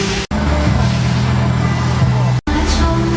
สุดท้ายสุดท้ายสุดท้าย